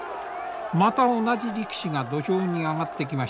また同じ力士が土俵に上がってきましたね。